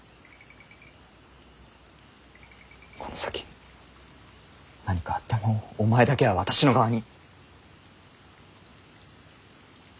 この先何かあってもお前だけは私の側に。